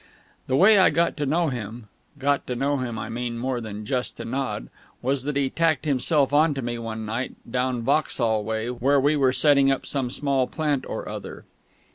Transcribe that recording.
The way I got to know him (got to know him, I mean, more than just to nod) was that he tacked himself on to me one night down Vauxhall way, where we were setting up some small plant or other.